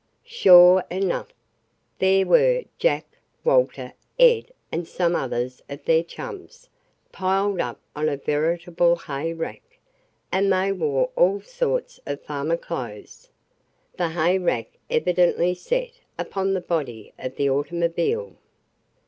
Sure enough, there were Jack, Walter, Ed and some others of their chums, piled up on a veritable hay rack, and they wore all sorts of farmer clothes. The hay rack evidently set upon the body of are automobile.